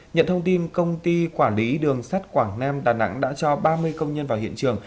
nhận thông tin công ty quản lý đường sắt quảng nam đà nẵng đã cho ba mươi công nhân vào hiện trường